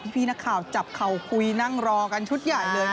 พี่นักข่าวจับเข่าคุยนั่งรอกันชุดใหญ่เลย